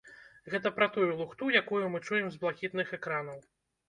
Гэта пра тую лухту, якую мы чуем з блакітных экранаў.